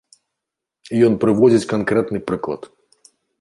Ён прыводзіць канкрэтны прыклад.